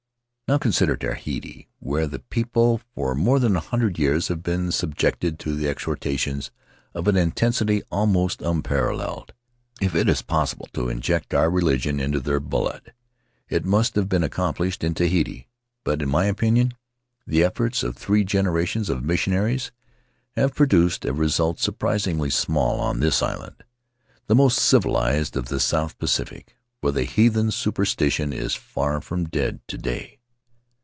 Now consider Tahiti, where the people for more than a hundred years have been sub jected to exhortations of an intensity almost unparal leled. If it is possible to inject our religion into their blood, it must have been accomplished in Tahiti, but in my opinion the efforts of three generations of missionaries have produced a result surprisingly small on chis island — the most civilized of the South Faerv Lands of the South Seas Pacific — where heathen superstition is far from dead to day.